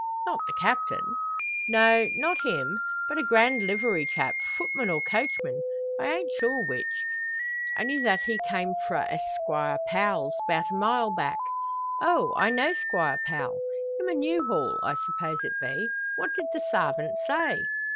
Not the Captain?" "No, not him. But a grand livery chap; footman or coachman I ain't sure which only that he came frae a Squire Powell's, 'bout a mile back." "Oh! I know Squire Powell him o' New Hall, I suppose it be. What did the sarvint say?"